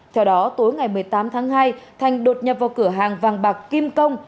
theo đó tối ngày một mươi tám tháng hai thành đột nhập vào cửa hàng vàng bạc kim công